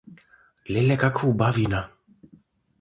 Леле каква убавина.